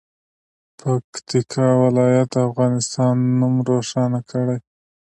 پکتیکا ولایت د افغانستان نوم روښانه کړي.